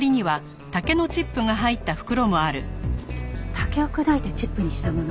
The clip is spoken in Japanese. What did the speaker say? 竹を砕いてチップにしたもの？